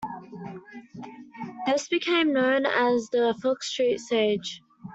This became known as the Fox Street Siege.